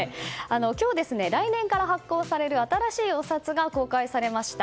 今日、来年から発行される新しいお札が公開されました。